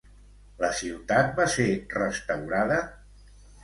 La ciutat va ser restaurada?